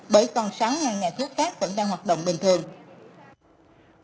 bởi còn sáu nhà thuốc cát vẫn đang hoạt động bình thường